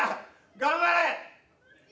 頑張れ！